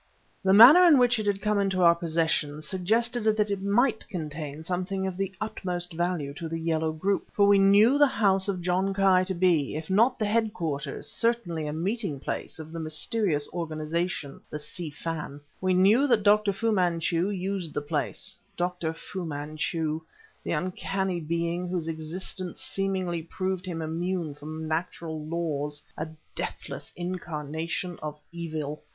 The manner in which it had come into our possession suggested that it might contain something of the utmost value to the Yellow group. For we knew the house of John Ki to be, if not the head quarters, certainly a meeting place of the mysterious organization the Si Fan; we knew that Dr. Fu Manchu used the place Dr. Fu Manchu, the uncanny being whose existence seemingly proved him immune from natural laws, a deathless incarnation of evil.